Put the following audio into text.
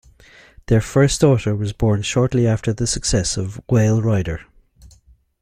Their first daughter was born shortly after the success of "Whale Rider".